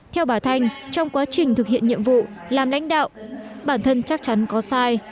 theo bà thành trong quá trình thực hiện nhiệm vụ làm đánh đạo bản thân chắc chắn có sai